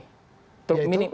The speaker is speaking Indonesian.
ya itu ya itu